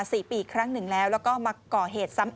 ทั้งหมดถึงมาทั้งหมด